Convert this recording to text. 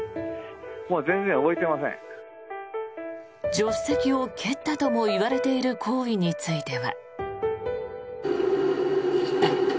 助手席を蹴ったともいわれている行為については。